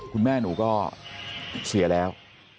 คุณแม่หนูก็เสียแล้ว